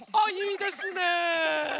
いいですね。